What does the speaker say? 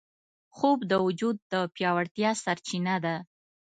خوب د وجود د پیاوړتیا سرچینه ده